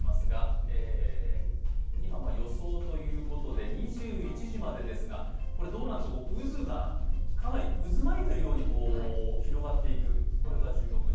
今、予想ということで２１時までですが渦がかなり渦巻いているように広がっていく。